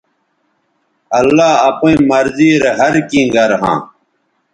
اللہ اپئیں مرضی رے ہر کیں گر ھاں